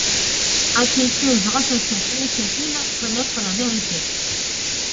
A-t-il pu, grâce à cette initiation, connaître la vérité ?